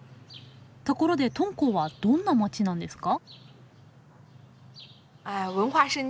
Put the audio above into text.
ところで敦煌はどんな街なんですか？